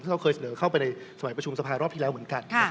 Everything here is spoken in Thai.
เขาเคยเสนอเข้าไปในสมัยประชุมสภารอบที่แล้วเหมือนกัน